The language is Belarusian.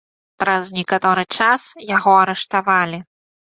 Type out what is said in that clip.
Праз некаторы час яго арыштавалі.